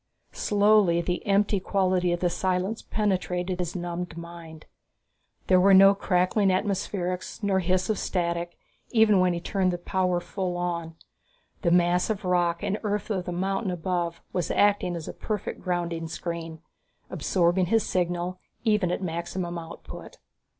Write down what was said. Slowly, the empty quality of the silence penetrated his numbed mind. There were no crackling atmospherics nor hiss of static, even when he turned the power full on. The mass of rock and earth of the mountain above was acting as a perfect grounding screen, absorbing his signal even at maximum output.